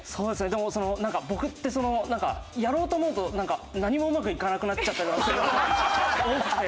でもなんか僕ってやろうと思うと何もうまくいかなくなっちゃったりするのが多くて。